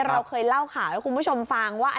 เราเคยเล่าข่าวให้คุณผู้ชมฟังว่า